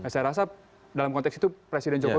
saya rasa dalam konteks itu presiden jokowi